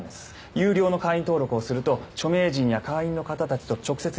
有料の会員登録をすると著名人や会員の方たちと直接やり取りができる。